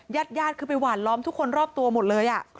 ญาติคือไปหวานล้อมทุกคนรอบตัวหมดเลย